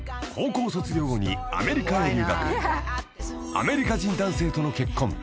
［アメリカ人男性との］